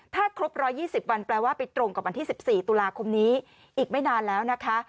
ถ้าครบ๑๒๐วันแปลว่าไปตรงกับวันที่๑๔ตุลาคมนี้อีกไม่นานแล้วนะคะ